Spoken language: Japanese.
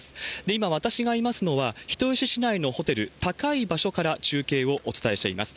今、私がいますのは、人吉市内のホテル、高い場所から中継をお伝えしています。